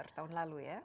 tahun lalu ya